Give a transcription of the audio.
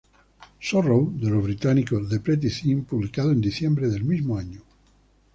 Sorrow" de los británicos The Pretty Things, publicado en diciembre del mismo año.